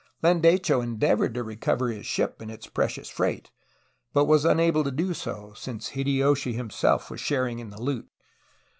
Lan decho endeavored to recover his ship and its precious freight, but was unable to do so, since Hideyoshi himself was sharing in the loot.